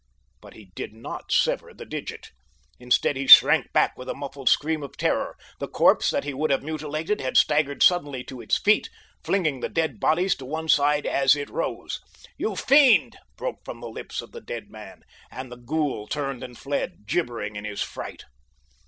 But he did not sever the digit. Instead he shrank back with a muffled scream of terror. The corpse that he would have mutilated had staggered suddenly to its feet, flinging the dead bodies to one side as it rose. "You fiend!" broke from the lips of the dead man, and the ghoul turned and fled, gibbering in his fright.